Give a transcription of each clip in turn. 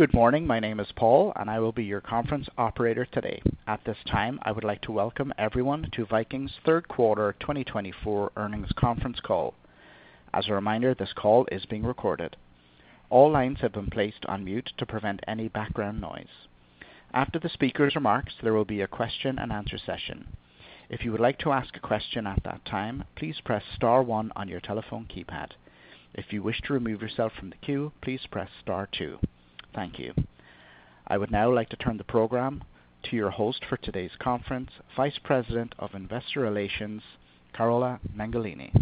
Good morning. My name is Paul, and I will be your conference operator today. At this time, I would like to welcome everyone to Viking's Third Quarter 2024 earnings conference call. As a reminder, this call is being recorded. All lines have been placed on mute to prevent any background noise. After the speaker's remarks, there will be a question-and-answer session. If you would like to ask a question at that time, please press Star 1 on your telephone keypad. If you wish to remove yourself from the queue, please press Star 2. Thank you. I would now like to turn the program to your host for today's conference, Vice President of Investor Relations, Carola Mengolini.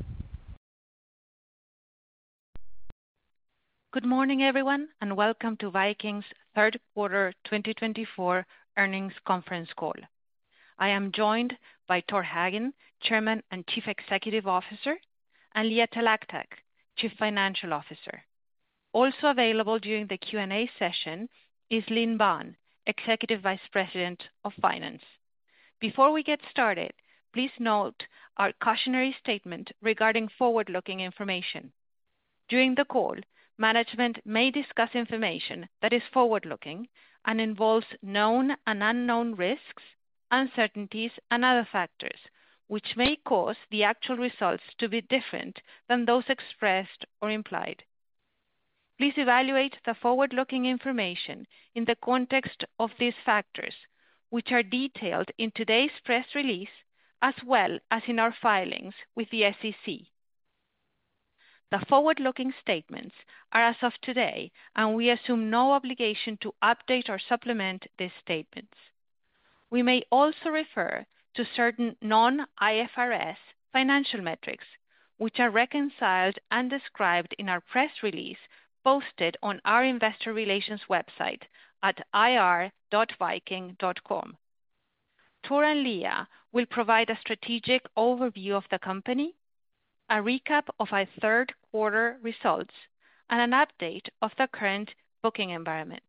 Good morning, everyone, and welcome to Viking's Third Quarter 2024 earnings conference call. I am joined by Torstein Hagen, Chairman and Chief Executive Officer, and Leah Talactac, Chief Financial Officer. Also available during the Q&A session is Linh Banh, Executive Vice President of Finance. Before we get started, please note our cautionary statement regarding forward-looking information. During the call, management may discuss information that is forward-looking and involves known and unknown risks, uncertainties, and other factors which may cause the actual results to be different than those expressed or implied. Please evaluate the forward-looking information in the context of these factors, which are detailed in today's press release as well as in our filings with the SEC. The forward-looking statements are, as of today, and we assume no obligation to update or supplement these statements. We may also refer to certain non-IFRS financial metrics, which are reconciled and described in our press release posted on our investor relations website at ir.viking.com. Tor and Leah will provide a strategic overview of the company, a recap of our third quarter results, and an update of the current booking environment.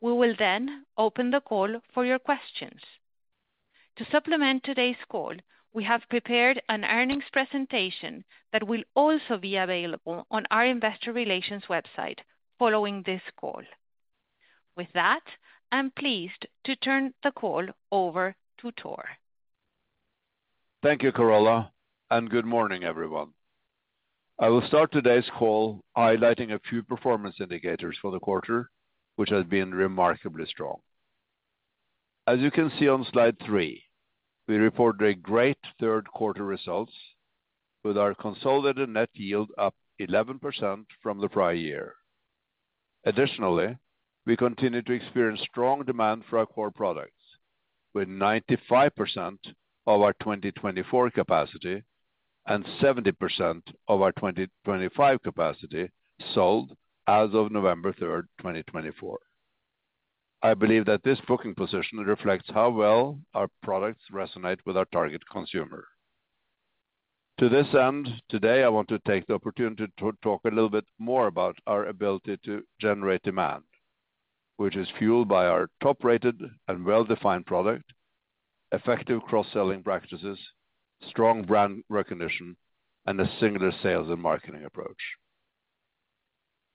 We will then open the call for your questions. To supplement today's call, we have prepared an earnings presentation that will also be available on our investor relations website following this call. With that, I'm pleased to turn the call over to Tor. Thank you, Carola, and good morning, everyone. I will start today's call highlighting a few performance indicators for the quarter, which have been remarkably strong. As you can see on slide three, we reported a great third quarter results with our consolidated net yield up 11% from the prior year. Additionally, we continue to experience strong demand for our core products with 95% of our 2024 capacity and 70% of our 2025 capacity sold as of November 3rd, 2024. I believe that this booking position reflects how well our products resonate with our target consumer. To this end, today, I want to take the opportunity to talk a little bit more about our ability to generate demand, which is fueled by our top-rated and well-defined product, effective cross-selling practices, strong brand recognition, and a singular sales and marketing approach.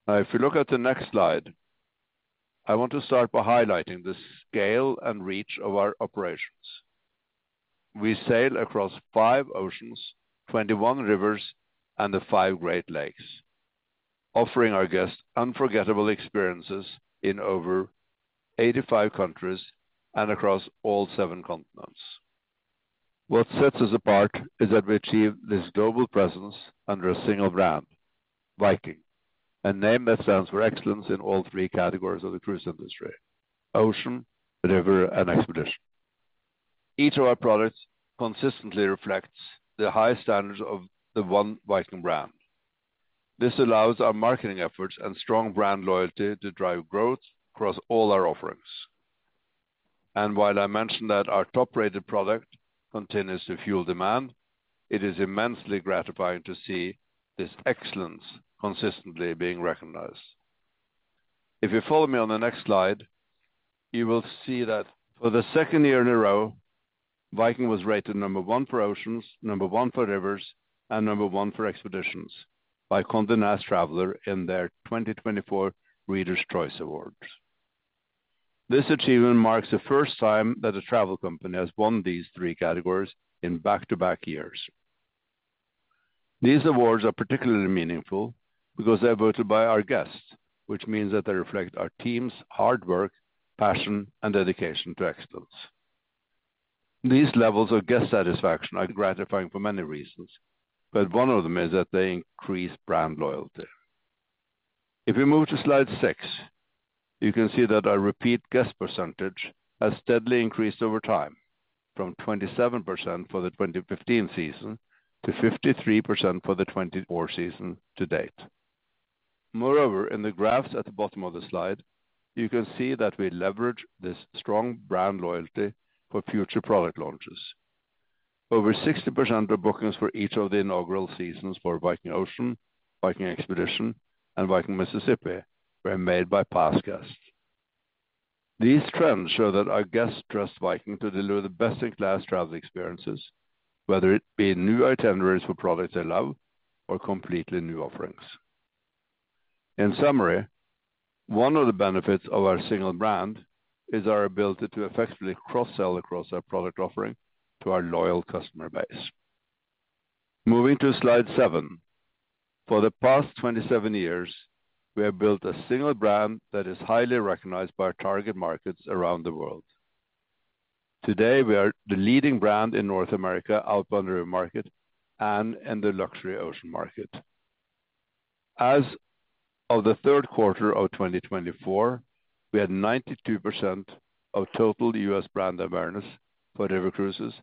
Now, if you look at the next slide, I want to start by highlighting the scale and reach of our operations. We sail across five oceans, 21 rivers, and the five Great Lakes, offering our guests unforgettable experiences in over 85 countries and across all seven continents. What sets us apart is that we achieve this global presence under a single brand, Viking, a name that stands for excellence in all three categories of the cruise industry: ocean, river, and expedition. Each of our products consistently reflects the high standards of the one Viking brand. This allows our marketing efforts and strong brand loyalty to drive growth across all our offerings. And while I mentioned that our top-rated product continues to fuel demand, it is immensely gratifying to see this excellence consistently being recognized. If you follow me on the next slide, you will see that for the second year in a row, Viking was rated number one for oceans, number one for rivers, and number one for expeditions by Condé Nast Traveler in their 2024 Readers' Choice Awards. This achievement marks the first time that a travel company has won these three categories in back-to-back years. These awards are particularly meaningful because they're voted by our guests, which means that they reflect our team's hard work, passion, and dedication to excellence. These levels of guest satisfaction are gratifying for many reasons, but one of them is that they increase brand loyalty. If you move to slide six, you can see that our repeat guest percentage has steadily increased over time from 27% for the 2015 season to 53% for the 2024 season to date. Moreover, in the graphs at the bottom of the slide, you can see that we leverage this strong brand loyalty for future product launches. Over 60% of bookings for each of the inaugural seasons for Viking Ocean, Viking Expedition, and Viking Mississippi were made by past guests. These trends show that our guests trust Viking to deliver the best-in-class travel experiences, whether it be new itineraries for products they love or completely new offerings. In summary, one of the benefits of our single brand is our ability to effectively cross-sell across our product offering to our loyal customer base. Moving to slide seven, for the past 27 years, we have built a single brand that is highly recognized by our target markets around the world. Today, we are the leading brand in North America outbound market and in the luxury ocean market. As of the third quarter of 2024, we had 92% of total U.S. brand awareness for river cruises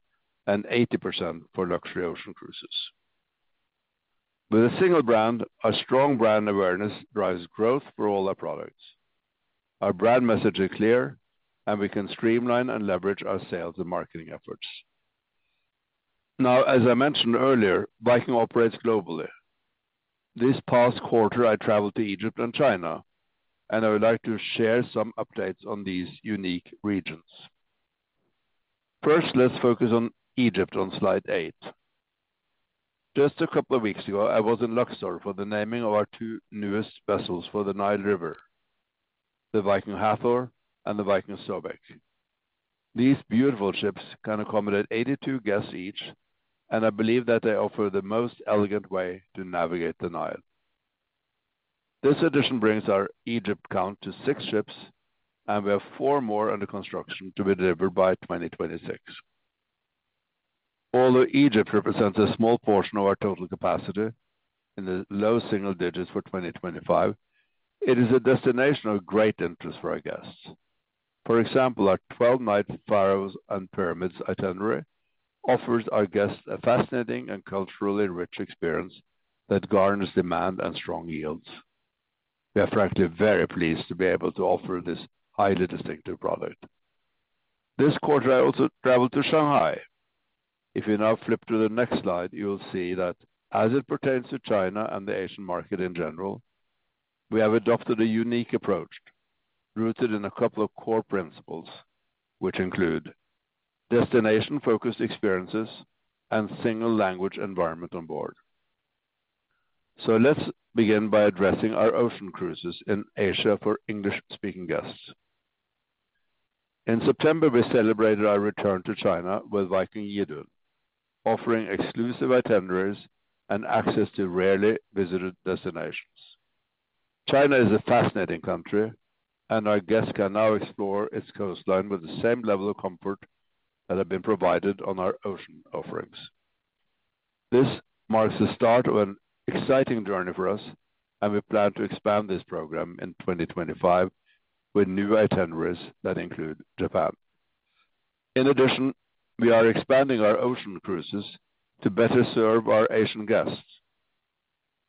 and 80% for luxury ocean cruises. With a single brand, our strong brand awareness drives growth for all our products. Our brand message is clear, and we can streamline and leverage our sales and marketing efforts. Now, as I mentioned earlier, Viking operates globally. This past quarter, I traveled to Egypt and China, and I would like to share some updates on these unique regions. First, let's focus on Egypt on slide eight. Just a couple of weeks ago, I was in Luxor for the naming of our two newest vessels for the Nile River, the Viking Hathor and the Viking Sobek. These beautiful ships can accommodate 82 guests each, and I believe that they offer the most elegant way to navigate the Nile. This addition brings our Egypt count to six ships, and we have four more under construction to be delivered by 2026. Although Egypt represents a small portion of our total capacity in the low single digits for 2025, it is a destination of great interest for our guests. For example, our 12-night Pharaohs & Pyramids itinerary offers our guests a fascinating and culturally rich experience that garners demand and strong yields. We are frankly very pleased to be able to offer this highly distinctive product. This quarter, I also traveled to Shanghai. If you now flip to the next slide, you will see that as it pertains to China and the Asian market in general, we have adopted a unique approach rooted in a couple of core principles, which include destination-focused experiences and a single language environment on board. Let's begin by addressing our ocean cruises in Asia for English-speaking guests. In September, we celebrated our return to China with Viking Yi Dun, offering exclusive itineraries and access to rarely visited destinations. China is a fascinating country, and our guests can now explore its coastline with the same level of comfort that has been provided on our ocean offerings. This marks the start of an exciting journey for us, and we plan to expand this program in 2025 with new itineraries that include Japan. In addition, we are expanding our ocean cruises to better serve our Asian guests.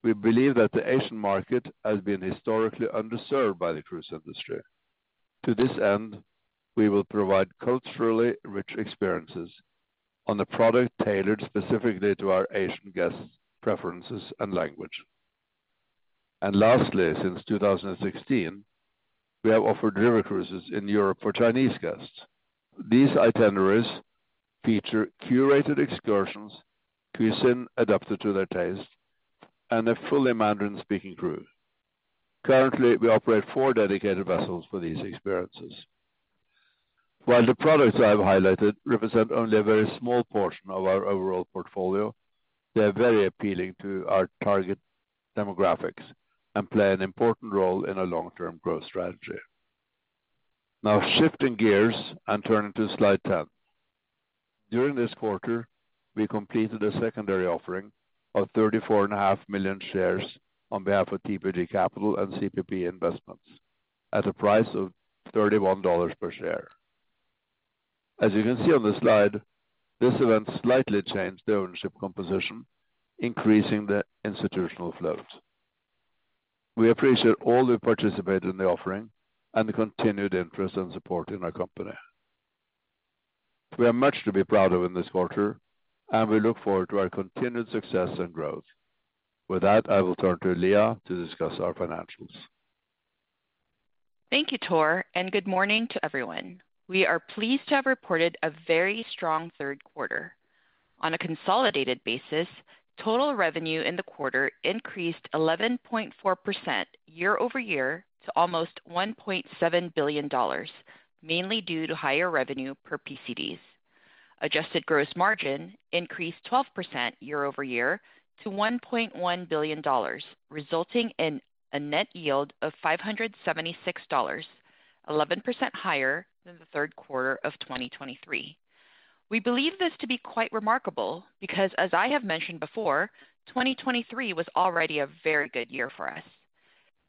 We believe that the Asian market has been historically underserved by the cruise industry. To this end, we will provide culturally rich experiences on a product tailored specifically to our Asian guests' preferences and language. Lastly, since 2016, we have offered river cruises in Europe for Chinese guests. These itineraries feature curated excursions, cuisine adapted to their taste, and a fully Mandarin-speaking crew. Currently, we operate four dedicated vessels for these experiences. While the products I have highlighted represent only a very small portion of our overall portfolio, they are very appealing to our target demographics and play an important role in our long-term growth strategy. Now, shifting gears and turning to slide 10, during this quarter, we completed a secondary offering of 34.5 million shares on behalf of TPG Capital and CPP Investments at a price of $31 per share. As you can see on the slide, this event slightly changed the ownership composition, increasing the institutional float. We appreciate all who participated in the offering and the continued interest and support in our company. We have much to be proud of in this quarter, and we look forward to our continued success and growth. With that, I will turn to Leah to discuss our financials. Thank you, Tor, and good morning to everyone. We are pleased to have reported a very strong third quarter. On a consolidated basis, total revenue in the quarter increased 11.4% year-over-year to almost $1.7 billion, mainly due to higher revenue per PCDs. Adjusted gross margin increased 12% year-over-year to $1.1 billion, resulting in a net yield of $576, 11% higher than the third quarter of 2023. We believe this to be quite remarkable because, as I have mentioned before, 2023 was already a very good year for us.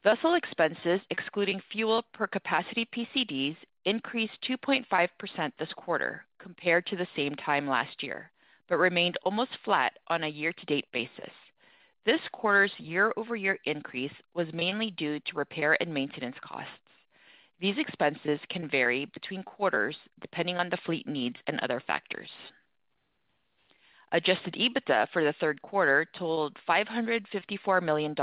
Vessel expenses, excluding fuel per capacity PCDs, increased 2.5% this quarter compared to the same time last year but remained almost flat on a year-to-date basis. This quarter's year-over-year increase was mainly due to repair and maintenance costs. These expenses can vary between quarters depending on the fleet needs and other factors. Adjusted EBITDA for the third quarter totaled $554 million,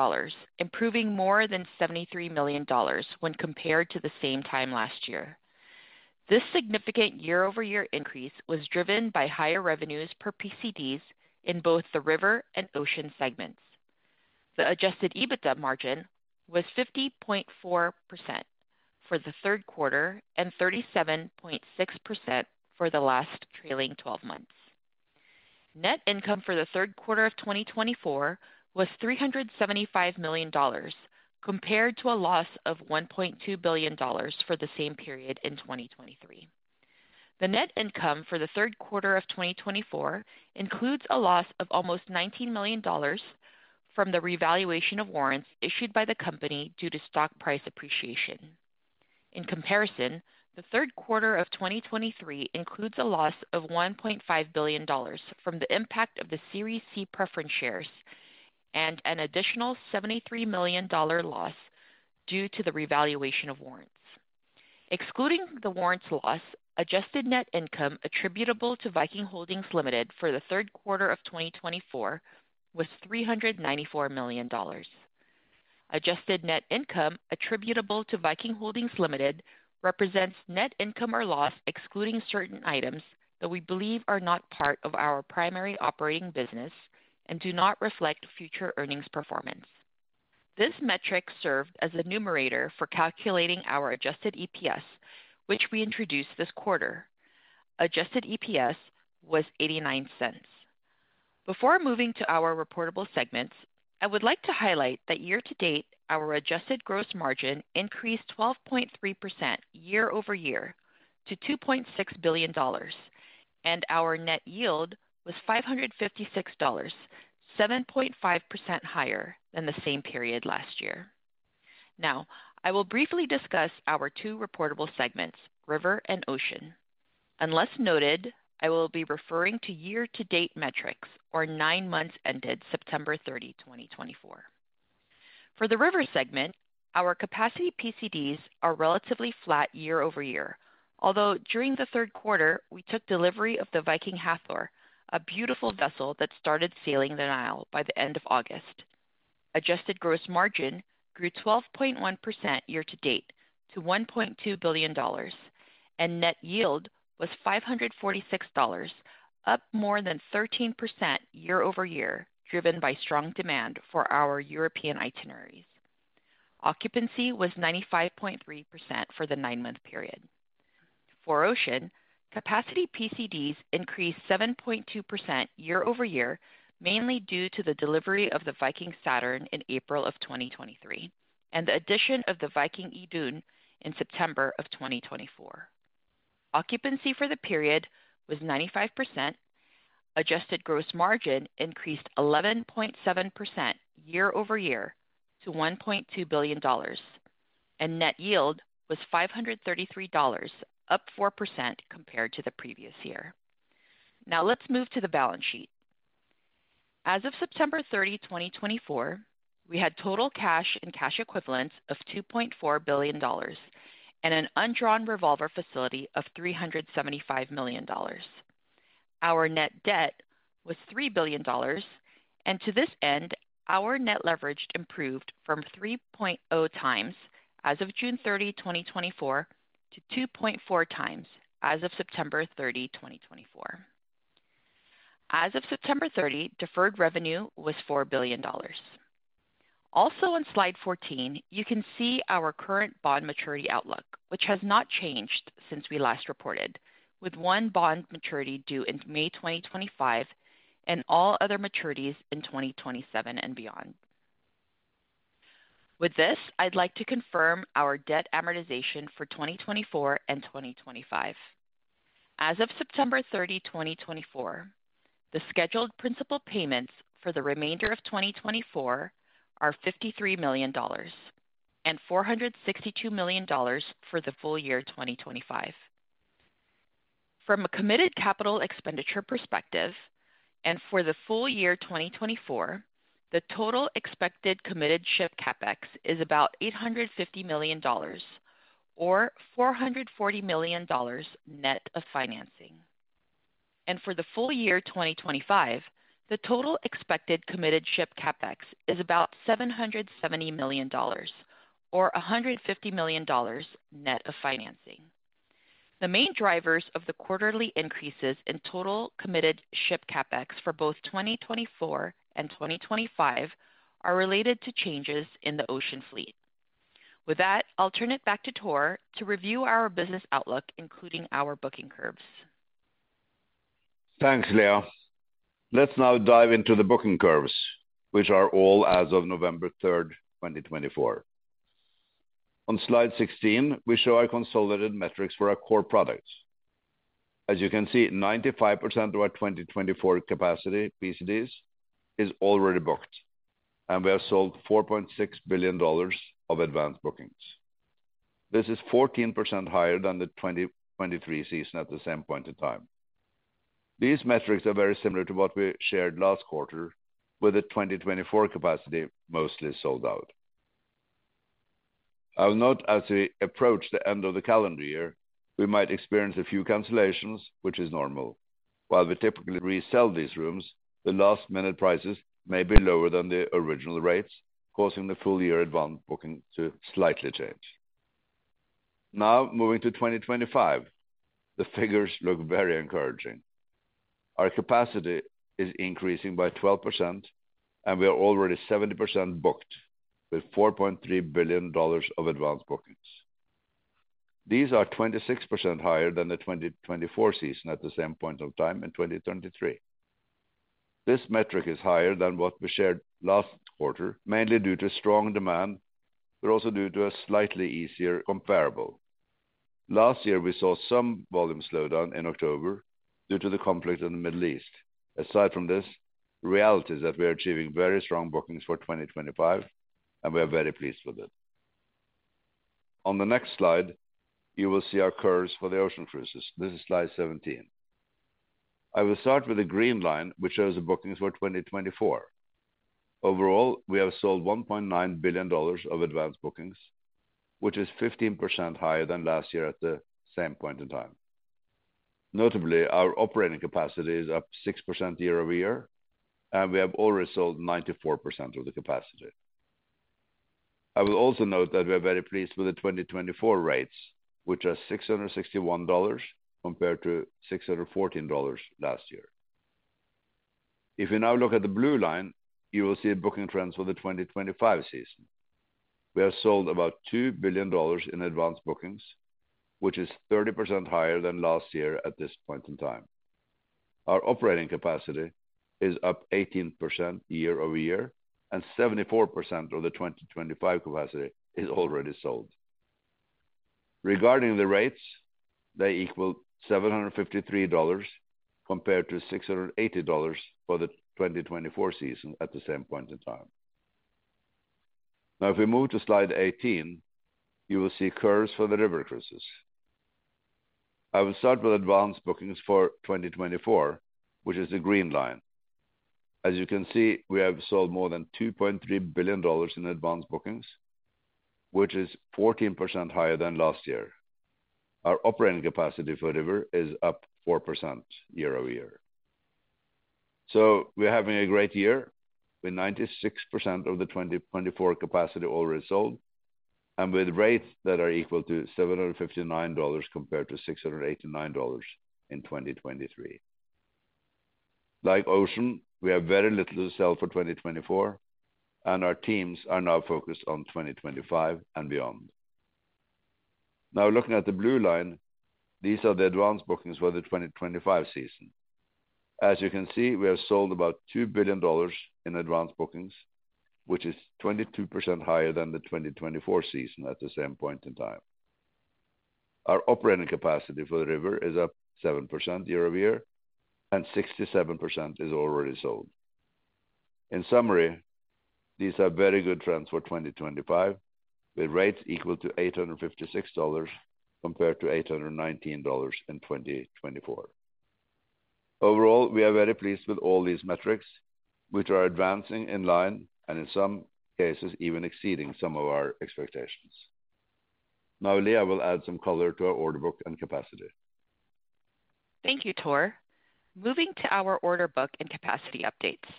improving more than $73 million when compared to the same time last year. This significant year-over-year increase was driven by higher revenues per PCDs in both the river and ocean segments. The adjusted EBITDA margin was 50.4% for the third quarter and 37.6% for the last trailing 12 months. Net income for the third quarter of 2024 was $375 million compared to a loss of $1.2 billion for the same period in 2023. The net income for the third quarter of 2024 includes a loss of almost $19 million from the revaluation of warrants issued by the company due to stock price appreciation. In comparison, the third quarter of 2023 includes a loss of $1.5 billion from the impact of the Series C preference shares and an additional $73 million loss due to the revaluation of warrants. Excluding the warrants loss, adjusted net income attributable to Viking Holdings Ltd for the third quarter of 2024 was $394 million. Adjusted net income attributable to Viking Holdings Ltd represents net income or loss excluding certain items that we believe are not part of our primary operating business and do not reflect future earnings performance. This metric served as a numerator for calculating our adjusted EPS, which we introduced this quarter. Adjusted EPS was $0.89. Before moving to our reportable segments, I would like to highlight that year-to-date, our adjusted gross margin increased 12.3% year-over-year to $2.6 billion, and our net yield was $556, 7.5% higher than the same period last year. Now, I will briefly discuss our two reportable segments, river and ocean. Unless noted, I will be referring to year-to-date metrics, or nine months ended September 30, 2024. For the river segment, our capacity PCDs are relatively flat year-over-year, although during the third quarter, we took delivery of the Viking Hathor, a beautiful vessel that started sailing the Nile by the end of August. Adjusted gross margin grew 12.1% year-to-date to $1.2 billion, and net yield was $546, up more than 13% year-over-year, driven by strong demand for our European itineraries. Occupancy was 95.3% for the nine-month period. For ocean, capacity PCDs increased 7.2% year-over-year, mainly due to the delivery of the Viking Saturn in April of 2023 and the addition of the Viking Yi Dun in September of 2024. Occupancy for the period was 95%. Adjusted gross margin increased 11.7% year-over-year to $1.2 billion, and net yield was $533, up 4% compared to the previous year. Now, let's move to the balance sheet. As of September 30, 2024, we had total cash and cash equivalents of $2.4 billion and an undrawn revolver facility of $375 million. Our net debt was $3 billion, and to this end, our net leverage improved from 3.0 times as of June 30, 2024, to 2.4 times as of September 30, 2024. As of September 30, deferred revenue was $4 billion. Also, on slide 14, you can see our current bond maturity outlook, which has not changed since we last reported, with one bond maturity due in May 2025 and all other maturities in 2027 and beyond. With this, I'd like to confirm our debt amortization for 2024 and 2025. As of September 30, 2024, the scheduled principal payments for the remainder of 2024 are $53 million and $462 million for the full year 2025. From a committed capital expenditure perspective, and for the full year 2024, the total expected committed ship CapEx is about $850 million, or $440 million net of financing. And for the full year 2025, the total expected committed ship CapEx is about $770 million, or $150 million net of financing. The main drivers of the quarterly increases in total committed ship CapEx for both 2024 and 2025 are related to changes in the ocean fleet. With that, I'll turn it back to Tor to review our business outlook, including our booking curves. Thanks, Leah. Let's now dive into the booking curves, which are all as of November 3rd, 2024. On slide 16, we show our consolidated metrics for our core products. As you can see, 95% of our 2024 capacity PCDs is already booked, and we have sold $4.6 billion of advanced bookings. This is 14% higher than the 2023 season at the same point in time. These metrics are very similar to what we shared last quarter, with the 2024 capacity mostly sold out. I'll note as we approach the end of the calendar year, we might experience a few cancellations, which is normal. While we typically resell these rooms, the last-minute prices may be lower than the original rates, causing the full-year advanced booking to slightly change. Now, moving to 2025, the figures look very encouraging. Our capacity is increasing by 12%, and we are already 70% booked with $4.3 billion of advanced bookings. These are 26% higher than the 2024 season at the same point in time in 2023. This metric is higher than what we shared last quarter, mainly due to strong demand, but also due to a slightly easier comparable. Last year, we saw some volume slowdown in October due to the conflict in the Middle East. Aside from this, the reality is that we are achieving very strong bookings for 2025, and we are very pleased with it. On the next slide, you will see our curves for the ocean cruises. This is slide 17. I will start with the green line, which shows the bookings for 2024. Overall, we have sold $1.9 billion of advanced bookings, which is 15% higher than last year at the same point in time. Notably, our operating capacity is up 6% year-over-year, and we have already sold 94% of the capacity. I will also note that we are very pleased with the 2024 rates, which are $661 compared to $614 last year. If we now look at the blue line, you will see booking trends for the 2025 season. We have sold about $2 billion in advanced bookings, which is 30% higher than last year at this point in time. Our operating capacity is up 18% year-over-year, and 74% of the 2025 capacity is already sold. Regarding the rates, they equal $753 compared to $680 for the 2024 season at the same point in time. Now, if we move to slide 18, you will see curves for the river cruises. I will start with advanced bookings for 2024, which is the green line. As you can see, we have sold more than $2.3 billion in advanced bookings, which is 14% higher than last year. Our operating capacity for the river is up 4% year-over-year. So we're having a great year with 96% of the 2024 capacity already sold and with rates that are equal to $759 compared to $689 in 2023. Like ocean, we have very little to sell for 2024, and our teams are now focused on 2025 and beyond. Now, looking at the blue line, these are the advanced bookings for the 2025 season. As you can see, we have sold about $2 billion in advanced bookings, which is 22% higher than the 2024 season at the same point in time. Our operating capacity for the river is up 7% year-over-year, and 67% is already sold. In summary, these are very good trends for 2025, with rates equal to $856 compared to $819 in 2024. Overall, we are very pleased with all these metrics, which are advancing in line and, in some cases, even exceeding some of our expectations. Now, Leah will add some color to our order book and capacity. Thank you, Tor. Moving to our order book and capacity updates.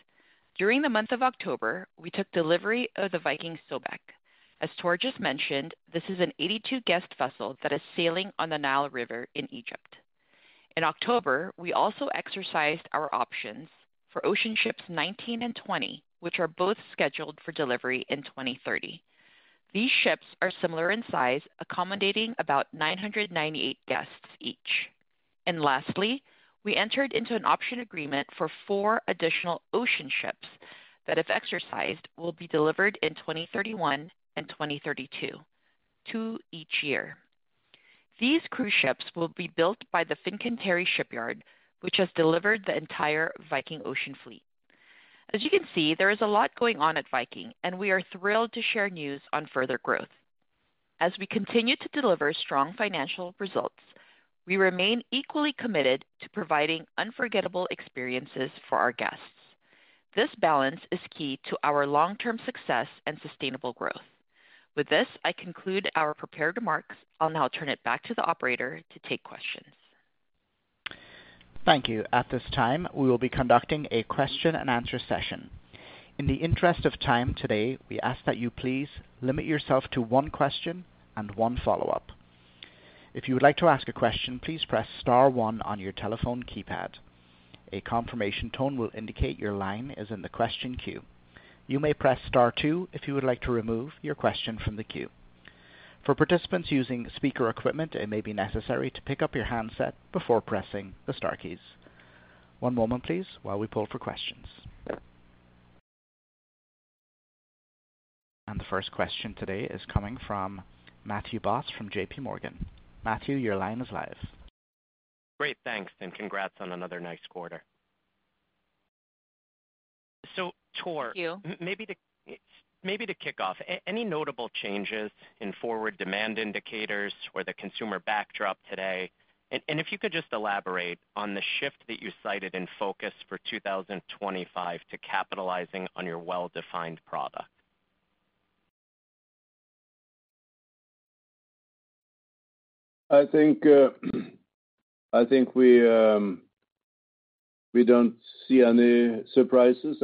During the month of October, we took delivery of the Viking Sobek. As Tor just mentioned, this is an 82-guest vessel that is sailing on the Nile River in Egypt. In October, we also exercised our options for ocean ships 19 and 20, which are both scheduled for delivery in 2030. These ships are similar in size, accommodating about 998 guests each. And lastly, we entered into an option agreement for four additional ocean ships that, if exercised, will be delivered in 2031 and 2032, two each year. These cruise ships will be built by the Fincantieri Shipyard, which has delivered the entire Viking Ocean fleet. As you can see, there is a lot going on at Viking, and we are thrilled to share news on further growth. As we continue to deliver strong financial results, we remain equally committed to providing unforgettable experiences for our guests. This balance is key to our long-term success and sustainable growth. With this, I conclude our prepared remarks. I'll now turn it back to the operator to take questions. Thank you. At this time, we will be conducting a question-and-answer session. In the interest of time today, we ask that you please limit yourself to one question and one follow-up. If you would like to ask a question, please press Star 1 on your telephone keypad. A confirmation tone will indicate your line is in the question queue. You may press Star 2 if you would like to remove your question from the queue. For participants using speaker equipment, it may be necessary to pick up your handset before pressing the star keys. One moment, please, while we pull for questions. And the first question today is coming from Matthew Boss from J.P. Morgan. Matthew, your line is live. Great. Thanks, and congrats on another nice quarter. So, Tor. Thank you. Maybe to kick off, any notable changes in forward demand indicators or the consumer backdrop today? And if you could just elaborate on the shift that you cited in focus for 2025 to capitalizing on your well-defined product. I think we don't see any surprises.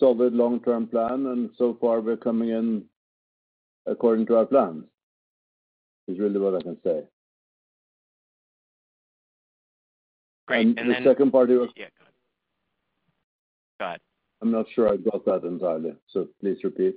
I think we have had a solid long-term plan, and so far, we're coming in according to our plans is really what I can say. Great and then. The second party was. Yeah, go ahead. Go ahead. I'm not sure I got that entirely, so please repeat.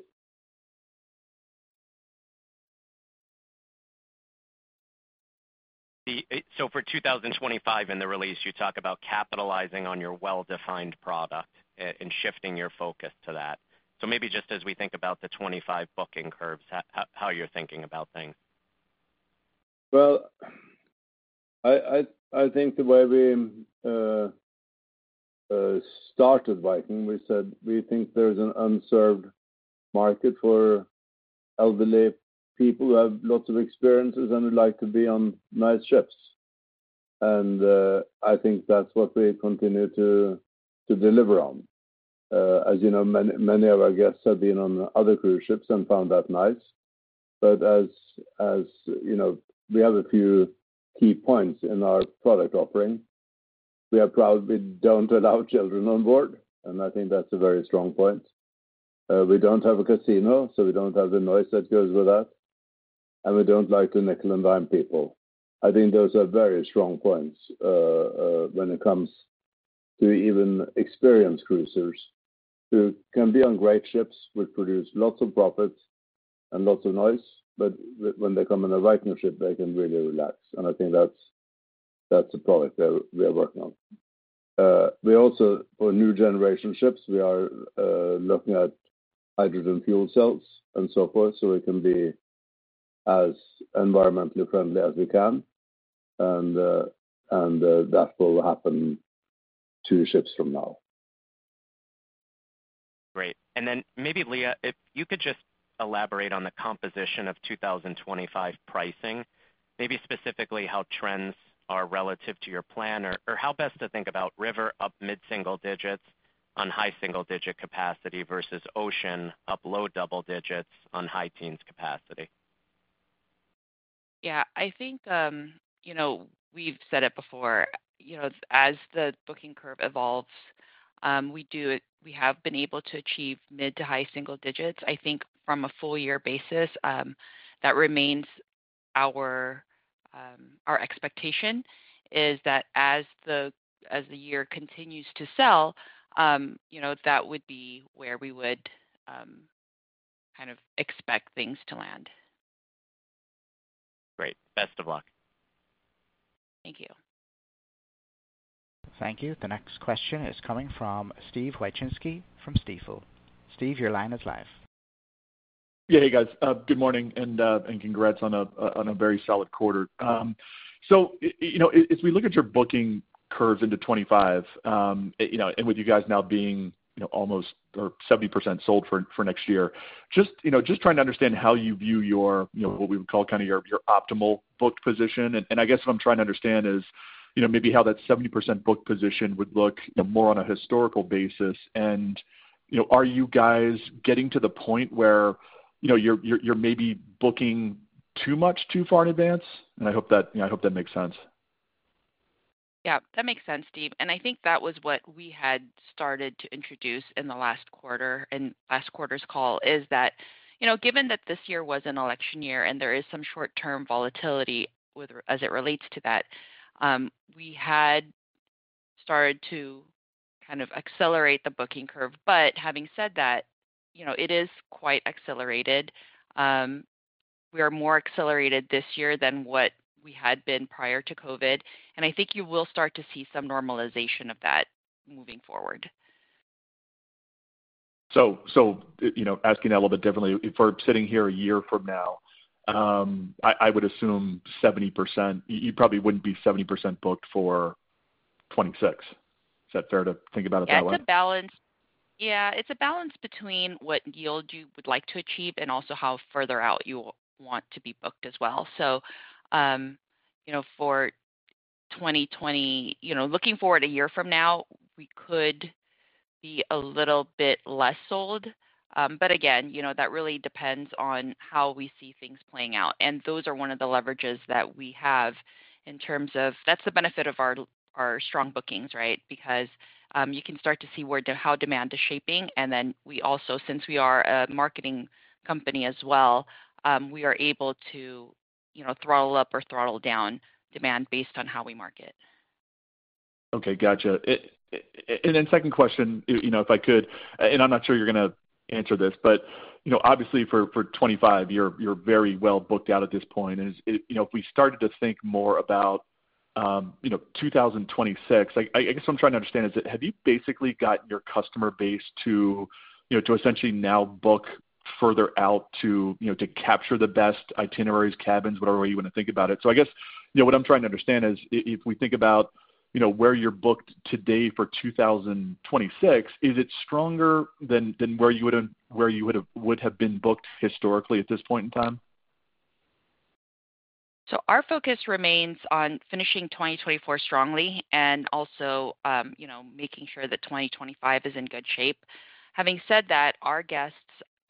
So for 2025 in the release, you talk about capitalizing on your well-defined product and shifting your focus to that. So maybe just as we think about the 2025 booking curves, how you're thinking about things? I think the way we started Viking, we said we think there's an unserved market for elderly people who have lots of experiences and would like to be on nice ships, and I think that's what we continue to deliver on. As you know, many of our guests have been on other cruise ships and found that nice, but as we have a few key points in our product offering, we are proud we don't allow children on board, and I think that's a very strong point. We don't have a casino, so we don't have the noise that goes with that, and we don't like the nickel-and-dime people. I think those are very strong points when it comes to even experienced cruisers who can be on great ships, which produce lots of profits and lots of noise, but when they come on a Viking ship, they can really relax, and I think that's the product that we are working on. We also, for new generation ships, we are looking at hydrogen fuel cells and so forth, so we can be as environmentally friendly as we can, and that will happen to ships from now. Great, and then maybe, Leah, if you could just elaborate on the composition of 2025 pricing, maybe specifically how trends are relative to your plan or how best to think about river up mid-single digits on high single-digit capacity versus ocean up low double digits on high teens capacity? Yeah, I think we've said it before. As the booking curve evolves, we have been able to achieve mid to high single digits. I think from a full-year basis, that remains our expectation is that as the year continues to sell, that would be where we would kind of expect things to land. Great. Best of luck. Thank you. Thank you. The next question is coming from Steven Wieczynski from Stifel. Steve, your line is live. Yeah, hey, guys. Good morning and congrats on a very solid quarter. So as we look at your booking curve into 2025, and with you guys now being almost 70% sold for next year, just trying to understand how you view your what we would call kind of your optimal booked position. And I guess what I'm trying to understand is maybe how that 70% booked position would look more on a historical basis. And are you guys getting to the point where you're maybe booking too much too far in advance? And I hope that makes sense. Yeah, that makes sense, Steve. And I think that was what we had started to introduce in the last quarter and last quarter's call, is that given that this year was an election year and there is some short-term volatility as it relates to that, we had started to kind of accelerate the booking curve. But having said that, it is quite accelerated. We are more accelerated this year than what we had been prior to COVID. And I think you will start to see some normalization of that moving forward. Asking that a little bit differently, if we're sitting here a year from now, I would assume 70% you probably wouldn't be 70% booked for 2026. Is that fair to think about it that way? Yeah, it's a balance between what yield you would like to achieve and also how further out you want to be booked as well. So for 2020, looking forward a year from now, we could be a little bit less sold. But again, that really depends on how we see things playing out. And those are one of the leverages that we have in terms of that's the benefit of our strong bookings, right? Because you can start to see how demand is shaping. And then we also, since we are a marketing company as well, we are able to throttle up or throttle down demand based on how we market. Okay, Gotcha. And then second question, if I could, and I'm not sure you're going to answer this, but obviously for 2025, you're very well booked out at this point. If we started to think more about 2026, I guess what I'm trying to understand is that have you basically gotten your customer base to essentially now book further out to capture the best itineraries, cabins, whatever way you want to think about it? So I guess what I'm trying to understand is if we think about where you're booked today for 2026, is it stronger than where you would have been booked historically at this point in time? Our focus remains on finishing 2024 strongly and also making sure that 2025 is in good shape. Having said that, our guests,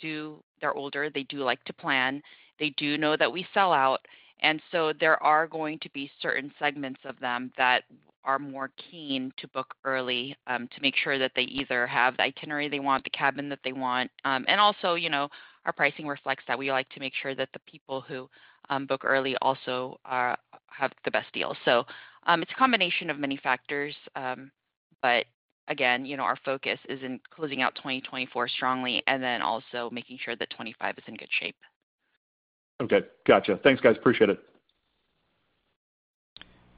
they're older. They do like to plan. They do know that we sell out. And so there are going to be certain segments of them that are more keen to book early to make sure that they either have the itinerary they want, the cabin that they want. And also, our pricing reflects that. We like to make sure that the people who book early also have the best deal. So it's a combination of many factors. But again, our focus is in closing out 2024 strongly and then also making sure that 2025 is in good shape. Okay. Gotcha. Thanks, guys. Appreciate it.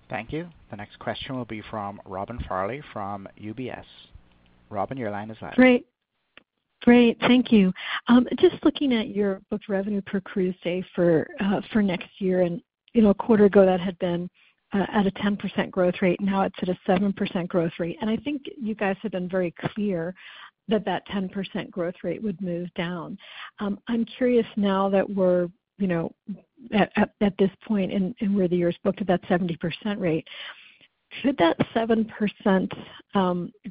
Thank you. The next question will be from Robin Farley from UBS. Robin, your line is live. Great. Great. Thank you. Just looking at your booked revenue per cruise day for next year, and a quarter ago, that had been at a 10% growth rate, now it's at a 7% growth rate. And I think you guys have been very clear that that 10% growth rate would move down. I'm curious now that we're at this point and where the year is booked at that 70% rate, could that 7%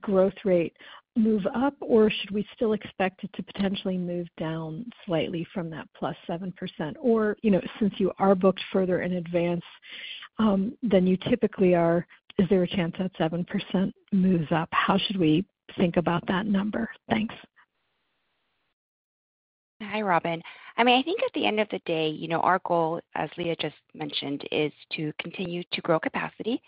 growth rate move up, or should we still expect it to potentially move down slightly from that plus 7%? Or since you are booked further in advance than you typically are, is there a chance that 7% moves up? How should we think about that number? Thanks. Hi, Robin. I mean, I think at the end of the day, our goal, as Leah just mentioned, is to continue to grow capacity,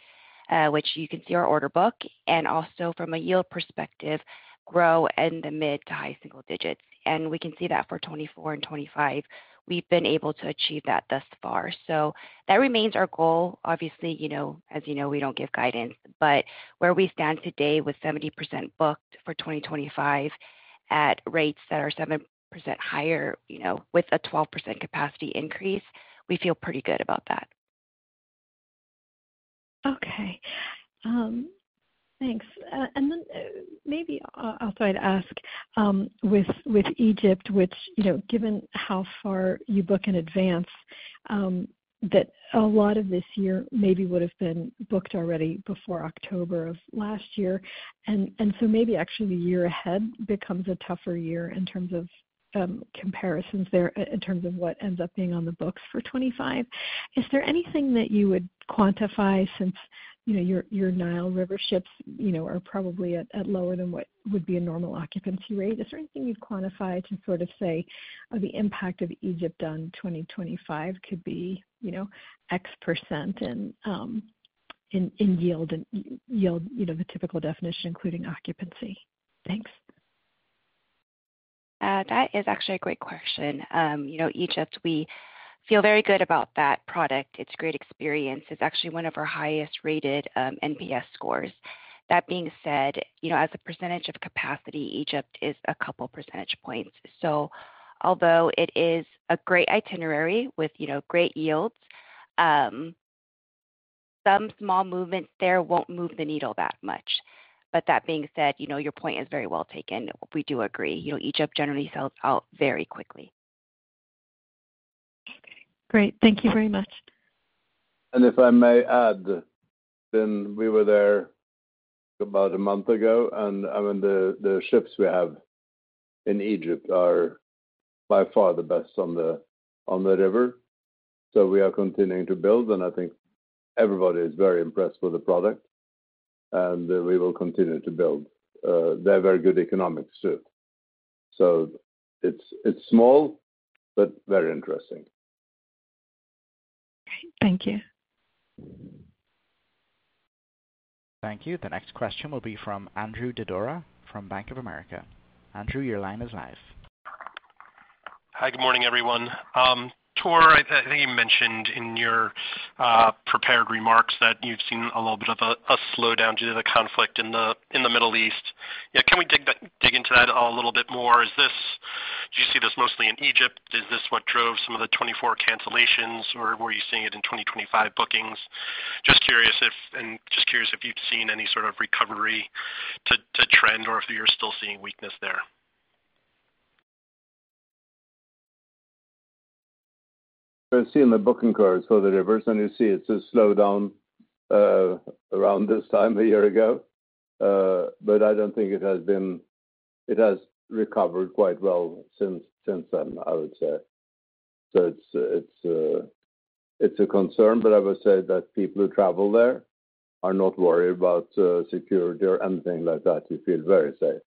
which you can see our order book, and also from a yield perspective, grow in the mid to high single digits. And we can see that for 2024 and 2025. We've been able to achieve that thus far. So that remains our goal. Obviously, as you know, we don't give guidance. But where we stand today with 70% booked for 2025 at rates that are 7% higher with a 12% capacity increase, we feel pretty good about that. Okay. Thanks. And then maybe I'll try to ask with Egypt, which given how far you book in advance, that a lot of this year maybe would have been booked already before October of last year. And so maybe actually the year ahead becomes a tougher year in terms of comparisons there in terms of what ends up being on the books for 2025. Is there anything that you would quantify since your Nile River ships are probably at lower than what would be a normal occupancy rate? Is there anything you'd quantify to sort of say, "Oh, the impact of Egypt on 2025 could be X% in yield," the typical definition, including occupancy? Thanks. That is actually a great question. Egypt, we feel very good about that product. It's great experience. It's actually one of our highest-rated NPS scores. That being said, as a percentage of capacity, Egypt is a couple percentage points. So although it is a great itinerary with great yields, some small movements there won't move the needle that much. But that being said, your point is very well taken. We do agree. Egypt generally sells out very quickly. Okay. Great. Thank you very much. And if I may add, then we were there about a month ago, and I mean, the ships we have in Egypt are by far the best on the river. So we are continuing to build, and I think everybody is very impressed with the product, and we will continue to build. They have very good economics too. So it's small, but very interesting. Okay. Thank you. Thank you. The next question will be from Andrew Didora from Bank of America. Andrew, your line is live. Hi, good morning, everyone. Tor, I think you mentioned in your prepared remarks that you've seen a little bit of a slowdown due to the conflict in the Middle East. Can we dig into that a little bit more? Do you see this mostly in Egypt? Is this what drove some of the 2024 cancellations, or were you seeing it in 2025 bookings? Just curious if you've seen any sort of recovery to trend or if you're still seeing weakness there. So I see in the booking curve, for the River Nile, it's a slowdown around this time a year ago. But I don't think it has recovered quite well since then, I would say. So it's a concern, but I would say that people who travel there are not worried about security or anything like that. You feel very safe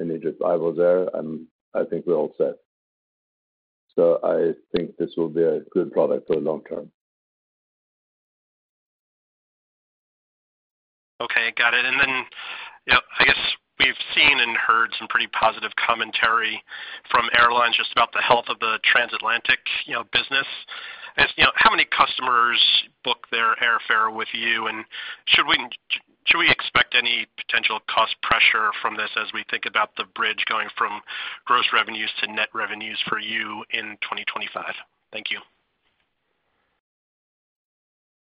in Egypt. I was there, and I think we're all safe. So I think this will be a good product for the long term. Okay. Got it. And then, yeah, I guess we've seen and heard some pretty positive commentary from airlines just about the health of the transatlantic business. How many customers book their airfare with you, and should we expect any potential cost pressure from this as we think about the bridge going from gross revenues to net revenues for you in 2025? Thank you.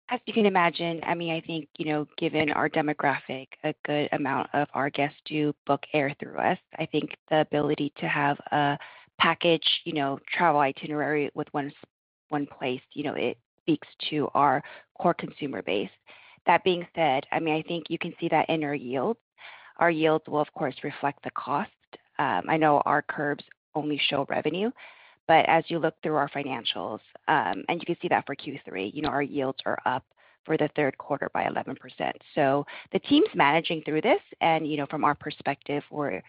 As you can imagine, I mean, I think given our demographic, a good amount of our guests do book air through us. I think the ability to have a package travel itinerary with one place, it speaks to our core consumer base. That being said, I mean, I think you can see that in our yield. Our yields will, of course, reflect the cost. I know our curves only show revenue, but as you look through our financials, and you can see that for Q3, our yields are up for the third quarter by 11%. So the team's managing through this, and from our perspective, we're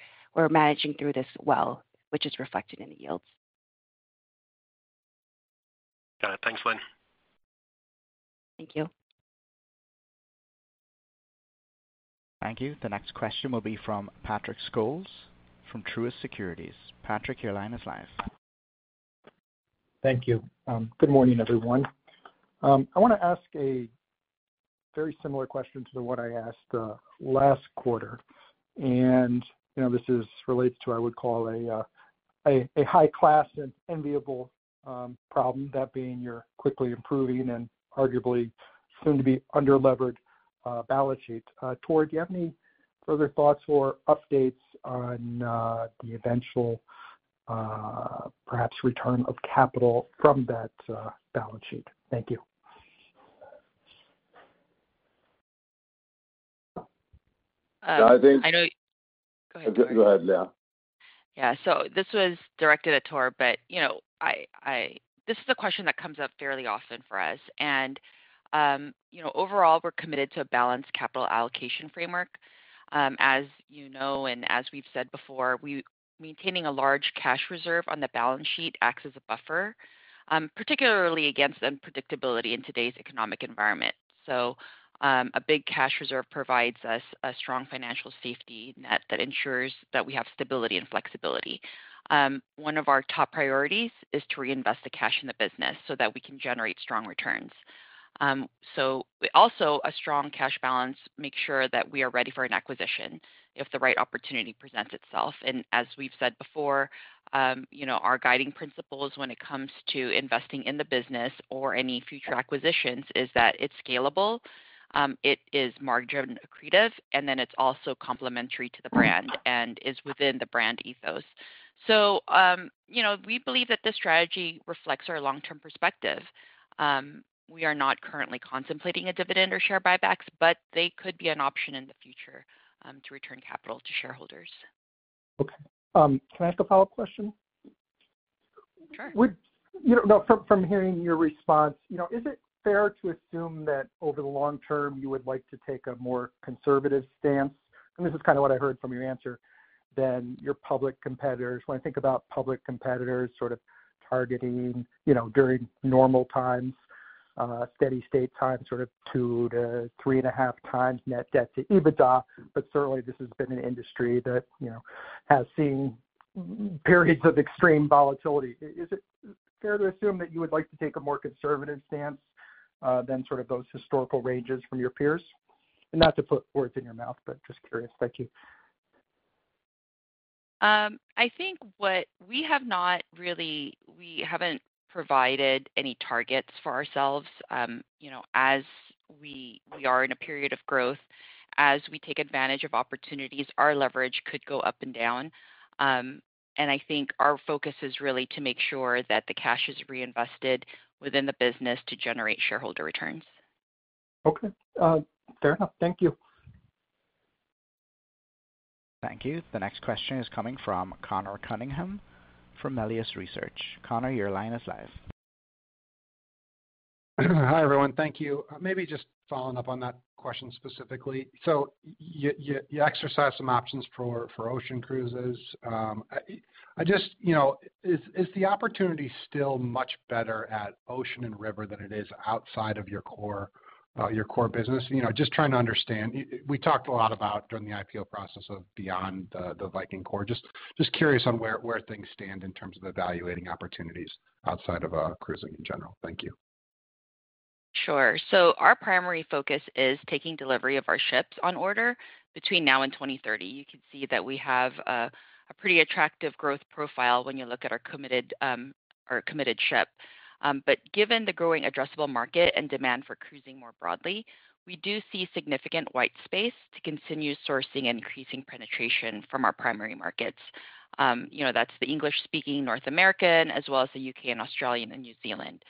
managing through this well, which is reflected in the yields. Got it. Thanks, Leah. Thank you. Thank you. The next question will be from Patrick Scholes from Truist Securities. Patrick, your line is live. Thank you. Good morning, everyone. I want to ask a very similar question to what I asked last quarter, and this relates to, I would call, a high-class and enviable problem, that being your quickly improving and arguably soon-to-be-under-levered balance sheet. Tor, do you have any further thoughts or updates on the eventual, perhaps, return of capital from that balance sheet? Thank you. I think. I know. Go ahead. Go ahead, Leah. Yeah, so this was directed at Tor, but this is a question that comes up fairly often for us, and overall, we're committed to a balanced capital allocation framework. As you know and as we've said before, maintaining a large cash reserve on the balance sheet acts as a buffer, particularly against unpredictability in today's economic environment, so a big cash reserve provides us a strong financial safety net that ensures that we have stability and flexibility. One of our top priorities is to reinvest the cash in the business so that we can generate strong returns, so also, a strong cash balance makes sure that we are ready for an acquisition if the right opportunity presents itself. And as we've said before, our guiding principles when it comes to investing in the business or any future acquisitions is that it's scalable, it is margin accretive, and then it's also complementary to the brand and is within the brand ethos. So we believe that this strategy reflects our long-term perspective. We are not currently contemplating a dividend or share buybacks, but they could be an option in the future to return capital to shareholders. Okay. Can I ask a follow-up question? Sure. No, from hearing your response, is it fair to assume that over the long term, you would like to take a more conservative stance? And this is kind of what I heard from your answer, than your public competitors. When I think about public competitors sort of targeting during normal times, steady state time, sort of two to three and a half times net debt to EBITDA, but certainly, this has been an industry that has seen periods of extreme volatility. Is it fair to assume that you would like to take a more conservative stance than sort of those historical ranges from your peers? And not to put words in your mouth, but just curious. Thank you. I think we haven't provided any targets for ourselves. As we are in a period of growth, as we take advantage of opportunities, our leverage could go up and down. I think our focus is really to make sure that the cash is reinvested within the business to generate shareholder returns. Okay. Fair enough. Thank you. Thank you. The next question is coming from Conor Cunningham from Melius Research. Conor, your line is live. Hi, everyone. Thank you. Maybe just following up on that question specifically. So you exercise some options for ocean cruises. Is the opportunity still much better at ocean and river than it is outside of your core business? Just trying to understand. We talked a lot about, during the IPO process, beyond the Viking core. Just curious on where things stand in terms of evaluating opportunities outside of cruising in general. Thank you. Sure. Our primary focus is taking delivery of our ships on order between now and 2030. You can see that we have a pretty attractive growth profile when you look at our committed ship. But given the growing addressable market and demand for cruising more broadly, we do see significant white space to continue sourcing and increasing penetration from our primary markets. That's the English-speaking North American as well as the U.K. and Australian and New Zealand.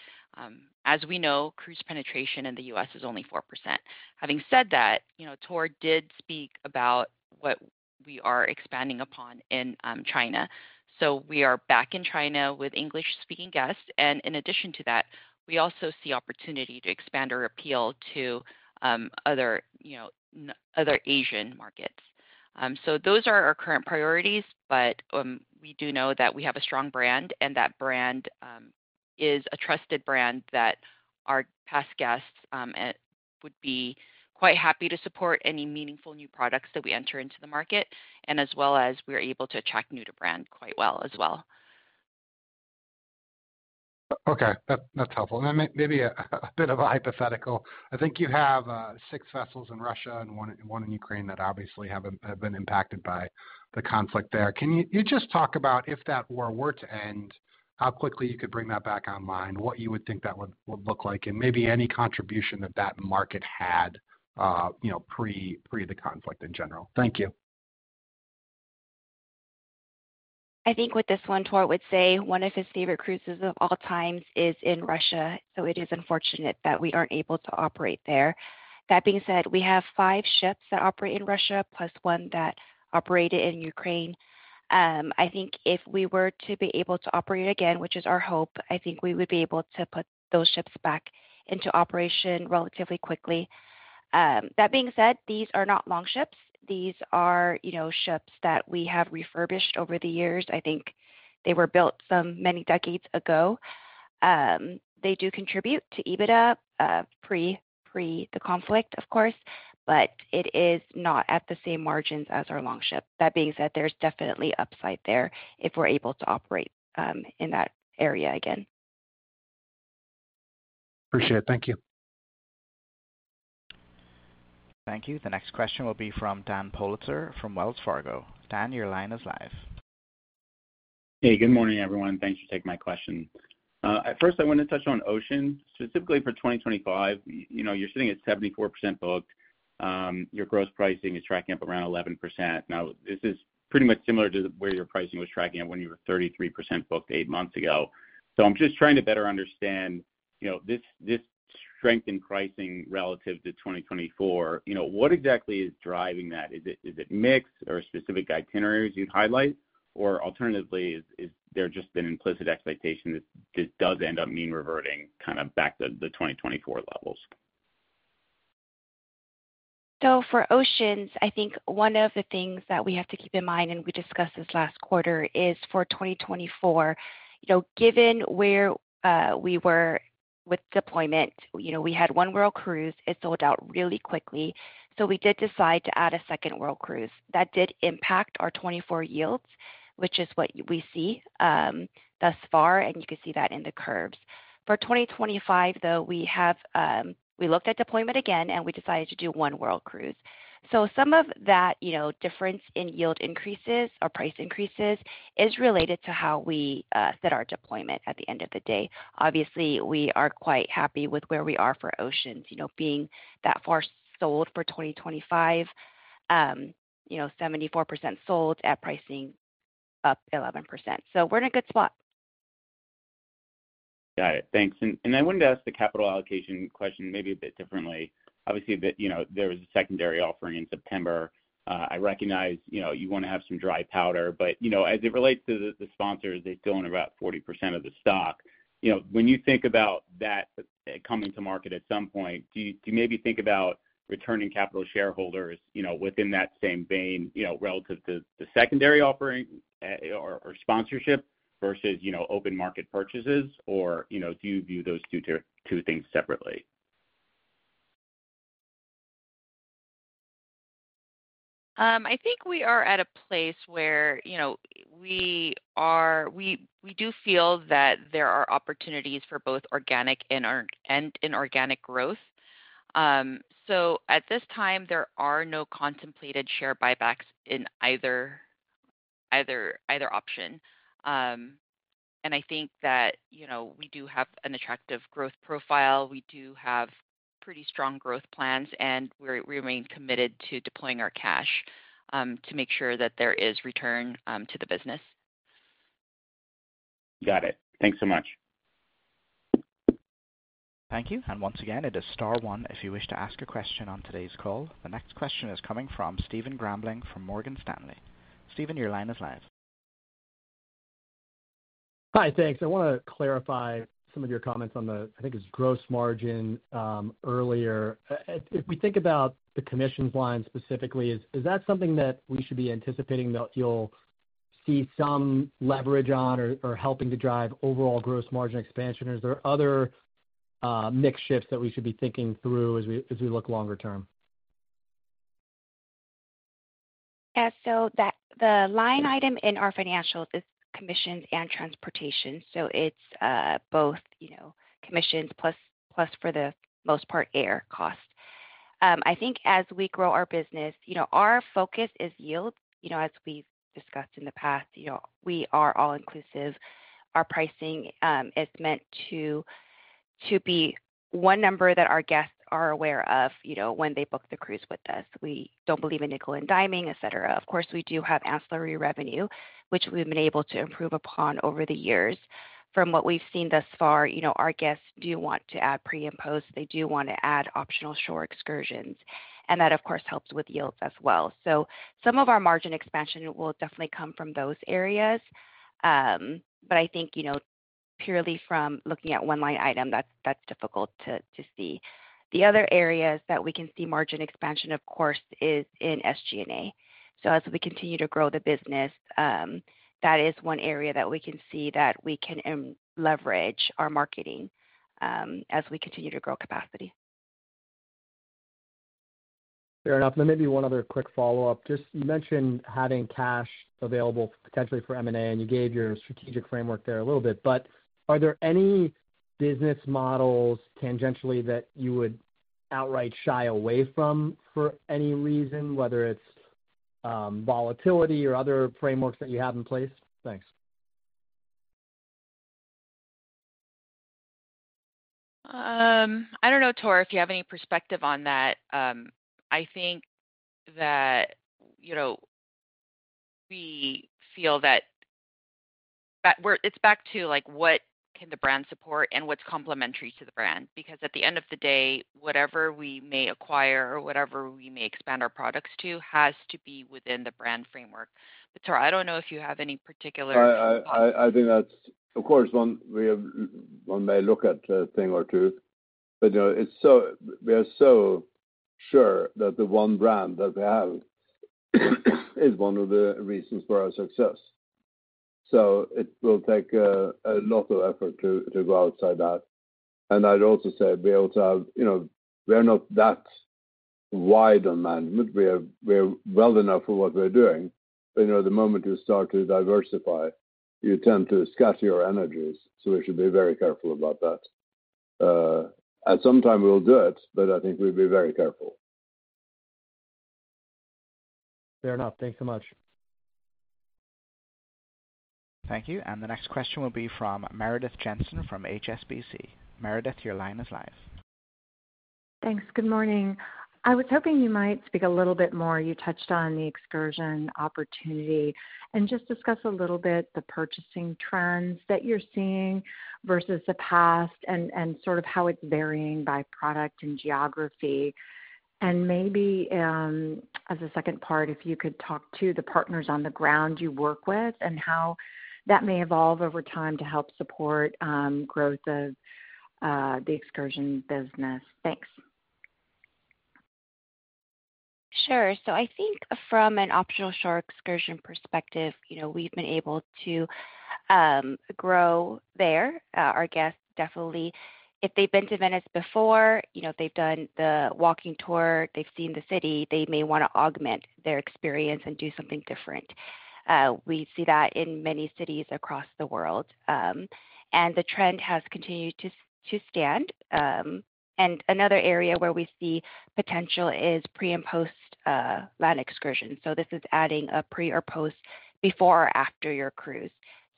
As we know, cruise penetration in the U.S. is only 4%. Having said that, Tor did speak about what we are expanding upon in China. We are back in China with English-speaking guests. And in addition to that, we also see opportunity to expand our appeal to other Asian markets. Those are our current priorities, but we do know that we have a strong brand and that brand is a trusted brand that our past guests would be quite happy to support any meaningful new products that we enter into the market, and as well as we're able to attract new-to-brand quite well as well. Okay. That's helpful. And then maybe a bit of a hypothetical. I think you have six vessels in Russia and one in Ukraine that obviously have been impacted by the conflict there. Can you just talk about if that war were to end, how quickly you could bring that back online, what you would think that would look like, and maybe any contribution that that market had pre the conflict in general? Thank you. I think with this one, Tor would say one of his favorite cruises of all times is in Russia. So it is unfortunate that we aren't able to operate there. That being said, we have five ships that operate in Russia plus one that operated in Ukraine. I think if we were to be able to operate again, which is our hope, I think we would be able to put those ships back into operation relatively quickly. That being said, these are not Longships. These are ships that we have refurbished over the years. I think they were built many decades ago. They do contribute to EBITDA pre the conflict, of course, but it is not at the same margins as our Longship. That being said, there's definitely upside there if we're able to operate in that area again. Appreciate it. Thank you. Thank you. The next question will be from Dan Politzer from Wells Fargo. Dan, your line is live. Hey, good morning, everyone. Thanks for taking my question. At first, I wanted to touch on ocean. Specifically for 2025, you're sitting at 74% booked. Your gross pricing is tracking up around 11%. Now, this is pretty much similar to where your pricing was tracking up when you were 33% booked eight months ago. So I'm just trying to better understand this strength in pricing relative to 2024. What exactly is driving that? Is it mixed or specific itineraries you'd highlight? Or alternatively, has there just been implicit expectation that this does end up mean reverting kind of back to the 2024 levels? So for oceans, I think one of the things that we have to keep in mind, and we discussed this last quarter, is for 2024, given where we were with deployment, we had one world cruise. It sold out really quickly. So we did decide to add a second world cruise. That did impact our 2024 yields, which is what we see thus far, and you can see that in the curves. For 2025, though, we looked at deployment again, and we decided to do one world cruise. So some of that difference in yield increases or price increases is related to how we set our deployment at the end of the day. Obviously, we are quite happy with where we are for oceans being that far sold for 2025, 74% sold at pricing up 11%. So we're in a good spot. Got it. Thanks. And I wanted to ask the capital allocation question maybe a bit differently. Obviously, there was a secondary offering in September. I recognize you want to have some dry powder, but as it relates to the sponsors, they still own about 40% of the stock. When you think about that coming to market at some point, do you maybe think about returning capital to shareholders within that same vein relative to the secondary offering or sponsorship versus open market purchases, or do you view those two things separately? I think we are at a place where we do feel that there are opportunities for both organic and inorganic growth. So at this time, there are no contemplated share buybacks in either option. And I think that we do have an attractive growth profile. We do have pretty strong growth plans, and we remain committed to deploying our cash to make sure that there is return to the business. Got it. Thanks so much. Thank you. Once again, it is star one if you wish to ask a question on today's call. The next question is coming from Stephen Grambling from Morgan Stanley. Stephen, your line is live. Hi, thanks. I want to clarify some of your comments on the, I think it was gross margin earlier. If we think about the commissions line specifically, is that something that we should be anticipating that you'll see some leverage on or helping to drive overall gross margin expansion? Or is there other mixed shifts that we should be thinking through as we look longer term? Yeah. So the line item in our financials is commissions and transportation. So it's both commissions plus, for the most part, air cost. I think as we grow our business, our focus is yield. As we've discussed in the past, we are all-inclusive. Our pricing is meant to be one number that our guests are aware of when they book the cruise with us. We don't believe in nickel and diming, etc. Of course, we do have ancillary revenue, which we've been able to improve upon over the years. From what we've seen thus far, our guests do want to add pre- and post. They do want to add optional shore excursions. And that, of course, helps with yields as well. Some of our margin expansion will definitely come from those areas. But I think purely from looking at one line item, that's difficult to see. The other areas that we can see margin expansion, of course, is in SG&A. So as we continue to grow the business, that is one area that we can see that we can leverage our marketing as we continue to grow capacity. Fair enough. And maybe one other quick follow-up. Just you mentioned having cash available potentially for M&A, and you gave your strategic framework there a little bit. But are there any business models tangentially that you would outright shy away from for any reason, whether it's volatility or other frameworks that you have in place? Thanks. I don't know, Tor, if you have any perspective on that. I think that we feel that it's back to what can the brand support and what's complementary to the brand. Because at the end of the day, whatever we may acquire or whatever we may expand our products to has to be within the brand framework. But Tor, I don't know if you have any particular. I think that's, of course, one may look at a thing or two. But we are so sure that the one brand that we have is one of the reasons for our success. So it will take a lot of effort to go outside that. And I'd also say we are not that wide on management. We are well enough for what we're doing. But the moment you start to diversify, you tend to scatter your energies. So we should be very careful about that. At some time, we'll do it, but I think we'll be very careful. Fair enough. Thanks so much. Thank you, and the next question will be from Meredith Jensen from HSBC. Meredith, your line is live. Thanks. Good morning. I was hoping you might speak a little bit more. You touched on the excursion opportunity and just discuss a little bit the purchasing trends that you're seeing versus the past and sort of how it's varying by product and geography. And maybe as a second part, if you could talk to the partners on the ground you work with and how that may evolve over time to help support growth of the excursion business. Thanks. Sure. So I think from an optional shore excursion perspective, we've been able to grow there. Our guests definitely, if they've been to Venice before, they've done the walking tour, they've seen the city, they may want to augment their experience and do something different. We see that in many cities across the world. And the trend has continued to stand. And another area where we see potential is pre- and post-land excursions. So this is adding a pre or post before or after your cruise.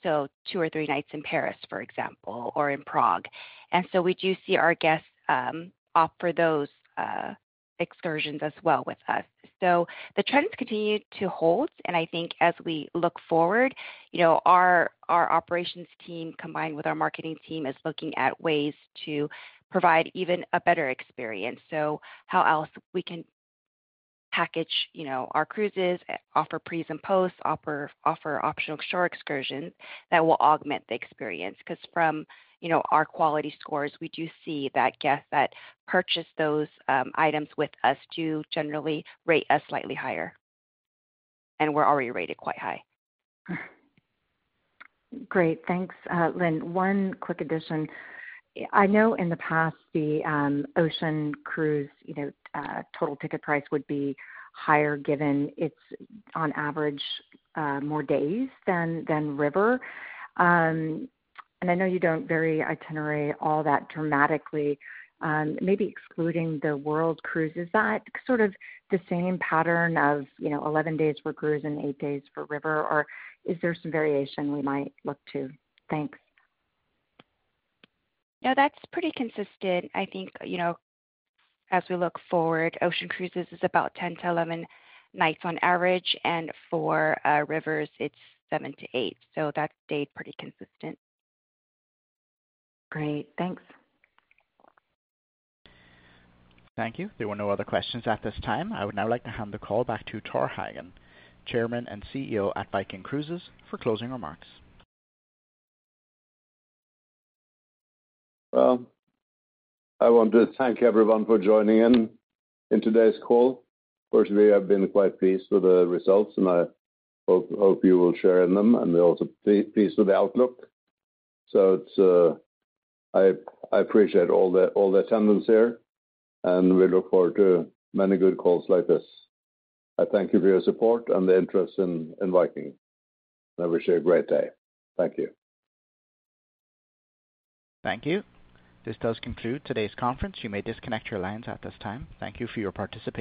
So two or three nights in Paris, for example, or in Prague. And so we do see our guests opt for those excursions as well with us. So the trends continue to hold. And I think as we look forward, our operations team combined with our marketing team is looking at ways to provide even a better experience. So how else we can package our cruises, offer pre- and post, offer optional shore excursions that will augment the experience. Because from our quality scores, we do see that guests that purchase those items with us do generally rate us slightly higher. And we're already rated quite high. Great. Thanks, Leah. One quick addition. I know in the past, the ocean cruise total ticket price would be higher given it's on average more days than river. And I know you don't vary itinerary all that dramatically. Maybe excluding the world cruises, is that sort of the same pattern of 11 days for cruise and eight days for river, or is there some variation we might look to? Thanks. No, that's pretty consistent. I think as we look forward, ocean cruises is about 10-11 nights on average, and for rivers, it's 7-8. So that stayed pretty consistent. Great. Thanks. Thank you. There were no other questions at this time. I would now like to hand the call back to Tor Hagen, Chairman and CEO at Viking Cruises, for closing remarks. I want to thank everyone for joining in today's call. Personally, I've been quite pleased with the results, and I hope you will share in them. We're also pleased with the outlook. I appreciate all the attendance here, and we look forward to many good calls like this. I thank you for your support and the interest in Viking. I wish you a great day. Thank you. Thank you. This does conclude today's conference. You may disconnect your lines at this time. Thank you for your participation.